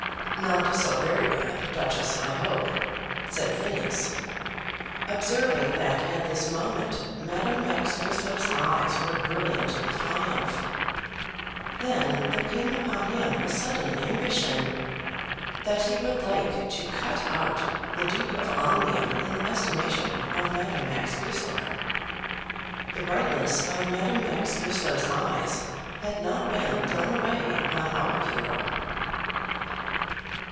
"Not so very bad, Duchess, I hope," said Phineas, observing that at this moment Madame Max Goesler's eyes were brilliant with triumph. Then there came upon him a sudden ambition, that he would like to "cut out" the Duke of Omnium in the estimation of Madame Max Goesler. The brightness of Madame Max Goesler's eyes had not been thrown away upon our hero.